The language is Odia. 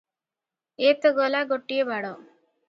ଏ ତ ଗଲା ଗୋଟିଏ ବାଡ଼ ।